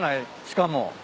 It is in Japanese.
しかも。